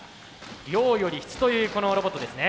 量より質というこのロボットですね。